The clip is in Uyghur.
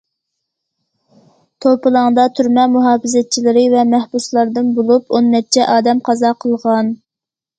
توپىلاڭدا تۈرمە مۇھاپىزەتچىلىرى ۋە مەھبۇسلاردىن بولۇپ ئون نەچچە ئادەم قازا قىلغان.